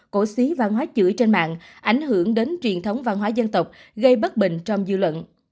cổ xí văn hóa chuỗi trên mạng ảnh hưởng đến truyền thống văn hóa dân tộc gây bất bình trong dư luận